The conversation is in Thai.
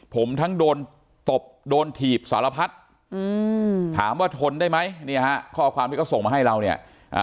ผมทั้งโดนตบโดนถีบสารพัดถามว่าทนได้ไหมเนี่ยฮะข้อความที่เขาส่งมาให้เราเนี่ย